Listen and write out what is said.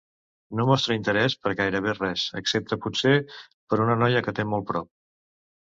No mostra interès per gairebé res, excepte potser per una noia que té molt prop.